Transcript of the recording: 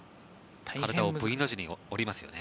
体をＶの字に折りますよね。